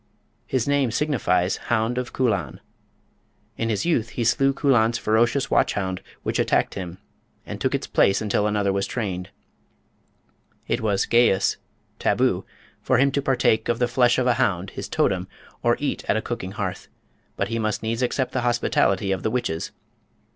His name signifies "hound of Culann." In his youth he slew Culann's ferocious watch hound which attacked him, and took its place until another was trained. It was "geis" (taboo) for him to partake of the flesh of a hound (his totem), or eat at a cooking hearth; but he must needs accept the hospitality of the witches.